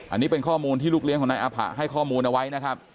อันนี้เป็นข้อมูลที่ลูกเลี้ยงของนายอาผะให้ข้อมูลเอาไว้นะครับ